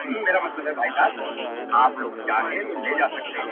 ما خوب كړى جانانه د ښكلا پر ځـنــگانــه.